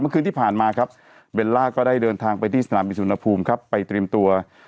คืนที่ผ่านมาครับเบลล่าก็ได้เดินทางไปที่สนามบินสุนภูมิครับไปเตรียมตัว